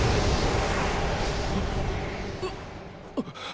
あっ！